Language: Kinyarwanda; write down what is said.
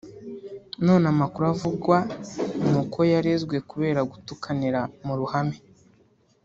none amakuru avugwa ni uko yarezwe kubera gutukanira mu ruhame